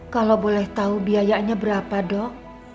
kalau boleh tahu biayanya berapa dok